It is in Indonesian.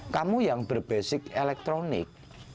kamu yang berbasis elektronik